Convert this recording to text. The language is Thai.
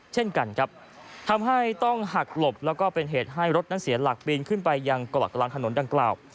เช่นกันครับทำให้ต้องหักหลบแล้วก็เป็นเหตุให้รถนั้นเสียหลักปีนขึ้นไปยังเกาะกลางถนนดังกล่าว